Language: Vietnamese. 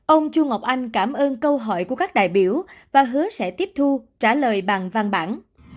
ông chu ngọc anh cảm ơn câu hỏi của các đại biểu và hứa sẽ tiếp thu trả lời bằng văn bản